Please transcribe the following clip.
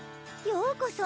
ようこそ